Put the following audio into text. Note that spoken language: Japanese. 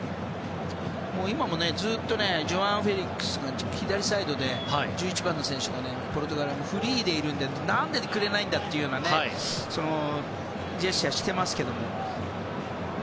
今もずっとジョアン・フェリックスが左サイドで１１番のポルトガルの選手もフリーですから何でくれないんだというジェスチャーをしていますが。